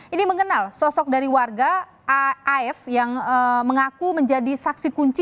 ini mengenal sosok dari warga aaf yang mengaku menjadi saksi kunci